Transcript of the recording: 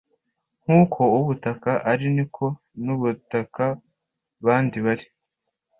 nkuko uw’ubutaka ari niko nab’ubutaka bandi bari